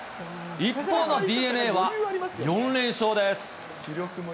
一方のＤｅＮＡは４連勝です。